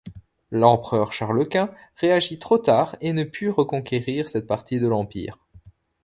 L'empereur Charles Quint réagit trop tard et ne put reconquérir cette partie de l'empire.